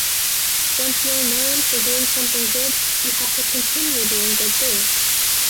Once you’re known for doing something good you have to continue doing good things.